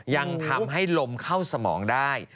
ยังทำให้ลมเข้าสมองได้